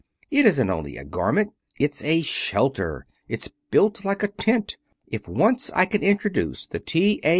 It isn't only a garment. It's a shelter. It's built like a tent. If once I can introduce the T. A.